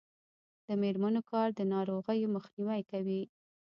د میرمنو کار د ناروغیو مخنیوی کوي.